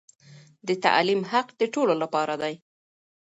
د تعليم حق د ټولو لپاره دی.